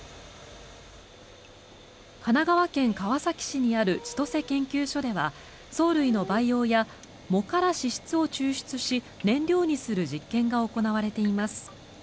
神奈川県川崎市にあるちとせ研究所では藻類の培養や藻から脂質を抽出し燃料にする実験が行われています。